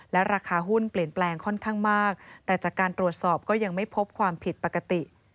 และราคาหุ้นเปลี่ยนแปลงค่อนข้างมากแต่จากการตรวจสอบก็ยังไม่พบความผิดปกติ